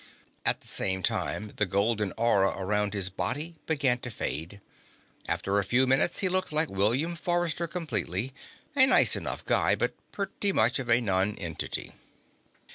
At the same time, the golden aura around his body began to fade. After a few minutes he looked like William Forrester completely, a nice enough guy but pretty much of a nonentity.